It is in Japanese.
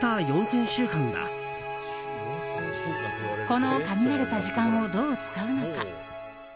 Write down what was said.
この限られた時間をどう使うのか。